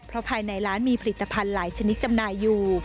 เพราะภายในร้านมีผลิตภัณฑ์หลายชนิดจำหน่ายอยู่